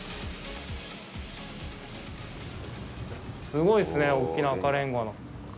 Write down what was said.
すごいですね、大きな赤レンガの。